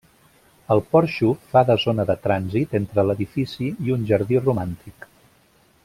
El porxo fa de zona de trànsit entre l'edifici i un jardí romàntic.